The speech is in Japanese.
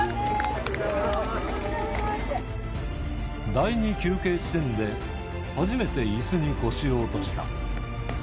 第２休憩地点で、初めていすに腰を落とした。